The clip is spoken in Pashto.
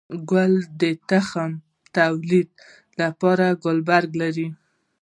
گل د تخم توليد لپاره ګلبرګ لري